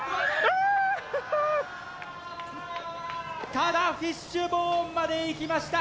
ただフィッシュボーンまでいきました